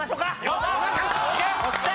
よっしゃ！